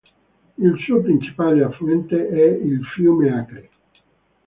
Il suo principale affluente è il fiume Acre.